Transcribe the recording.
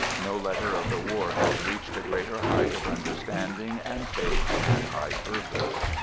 No letter of the war has reached a greater height of understanding and faith and high purpose.